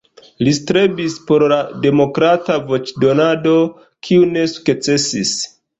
Li strebis por la demokrata voĉdonado, kiu ne sukcesis.